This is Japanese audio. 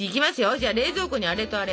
じゃあ冷蔵庫にあれとあれ。